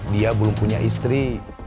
dia belum punya istri